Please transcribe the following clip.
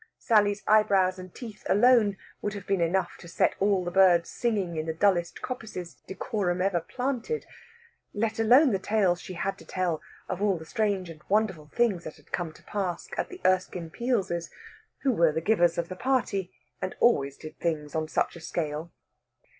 Sally's eyebrows and teeth alone would have been enough to set all the birds singing in the dullest coppices decorum ever planted, let alone the tales she had to tell of all the strange and wonderful things that had come to pass at the Erskine Peels', who were the givers of the party, and always did things on such a scale.